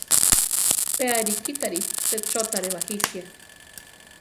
Pe arikítari che chótare bajisia.